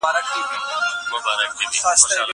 زه له سهاره سبا ته فکر کوم!